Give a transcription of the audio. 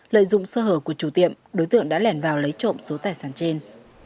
lợi dụng sơ hở của chủ tiệm đối tượng đã lẻn vào lấy trộm số tài sản trên